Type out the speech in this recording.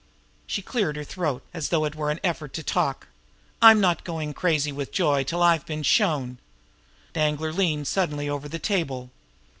She cleared her throat as though it were an effort to talk. "I'm not going crazy with joy till I've been shown." Danglar leaned suddenly over the table.